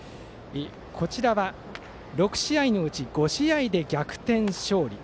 こちらは６試合のうち５試合で逆転勝利。